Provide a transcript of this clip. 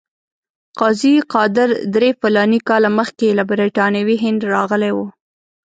قاضي قادر درې فلاني کاله مخکې له برټانوي هند راغلی وو.